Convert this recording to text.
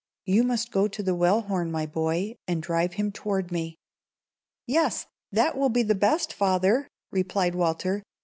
You must go to the Wellhorn, my boy, and drive him toward me." "Yes; that will be the best, father," replied Walter.